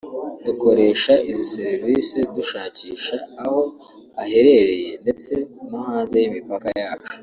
dukoresha izi serivisi dushakisha aho aherereye ndetse no hanze y’imipaka yacu